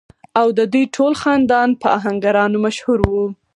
او ددوي ټول خاندان پۀ اهنګرانو مشهور شو ۔